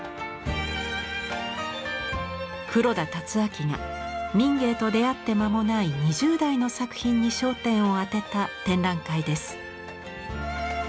黒田辰秋が民藝と出会って間もない２０代の作品に焦点を当てた展覧会です。